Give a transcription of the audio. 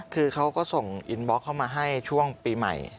คือเขาก็ส่งอินบล็อกเข้ามาให้ช่วงปีใหม่